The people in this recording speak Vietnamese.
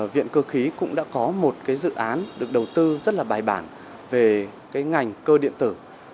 viện cơ khí cũng đã có một dự án được đầu tư rất là bài bản về cái ngành cơ điện tử